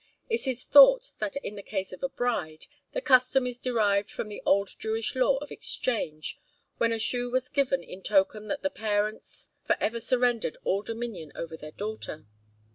It is thought that in the case of a bride, the custom is derived from the old Jewish law of exchange, when a shoe was given in token that the parents for ever surrendered all dominion over their daughter.